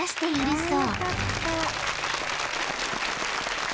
そう。